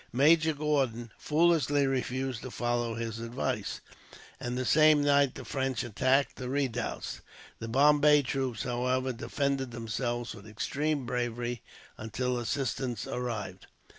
Major Gordon foolishly refused to follow his advice, and the same night the French attacked the redoubts. The Bombay troops, however, defended themselves with extreme bravery until assistance arrived.